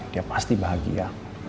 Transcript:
dia pasti bahagia